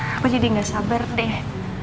aku jadi gak sabar deh